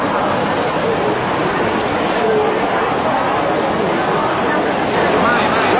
นั่งคุยเจ้าจี้กว่า